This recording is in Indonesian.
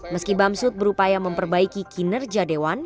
meski bamsud berupaya memperbaiki kinerja dewan